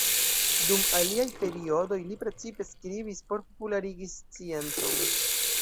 Dum aliaj periodoj li precipe skribis por popularigi sciencon.